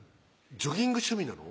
ジョギング趣味なの？